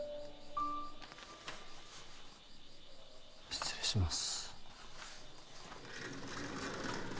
失礼します